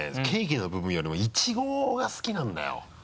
ケーキの部分よりもイチゴが好きなんだよ。